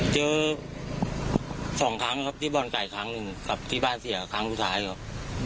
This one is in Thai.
สองครั้งครับที่บ่อนไก่ครั้งหนึ่งกับที่บ้านเสียครั้งสุดท้ายครับ